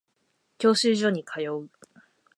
教習所に通う